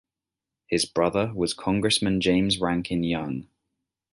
His brother was Congressman James Rankin Young.